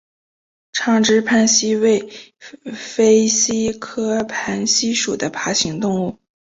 长肢攀蜥为飞蜥科攀蜥属的爬行动物。